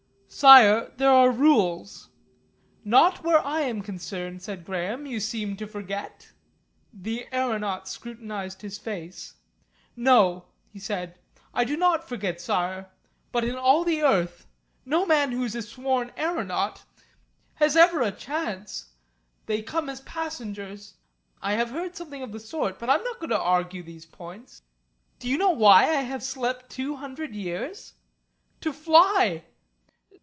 "Sire, there are rules " "Not where I am concerned," said Graham, "You seem to forget." The aeronaut scrutinised his face "No," he said. "I do not forget, Sire. But in all the earth no man who is not a sworn aeronaut has ever a chance. They come as passengers " "I have heard something of the sort. But I'm not going to argue these points. Do you know why I have slept two hundred years? To fly!"